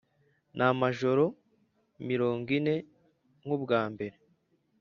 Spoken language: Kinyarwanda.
n’amajoro mirongo ine nk’ubwa mbere,